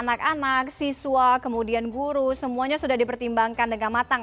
anak anak siswa kemudian guru semuanya sudah dipertimbangkan dengan matang